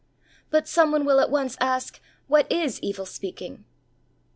But someone will at once ask :What is evil speaking